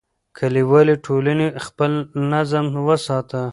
کلیوالي ټولنې خپل نظم وساته.